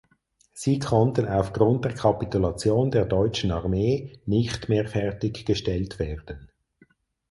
Sie konnten aufgrund der Kapitulation der deutschen Armee nicht mehr fertiggestellt werden.